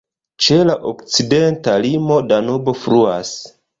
Ĉe la okcidenta limo Danubo fluas.